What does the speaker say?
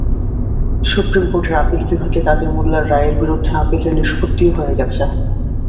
Supreme কোর্টের আপিল বিভাগে কাদের মোল্লার রায়ের বিরুদ্ধে আপিলের নিষ্পত্তিও হয়ে গেছে।